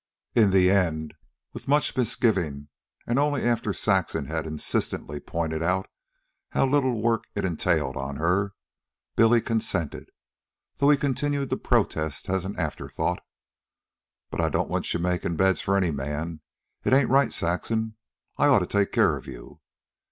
In the end, with much misgiving, and only after Saxon had insistently pointed out how little work it entailed on her, Billy consented, though he continued to protest, as an afterthought: "But I don't want you makin' beds for any man. It ain't right, Saxon. I oughta take care of you."